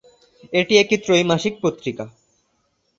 এটি একটি ত্রৈমাসিক পত্রিকা।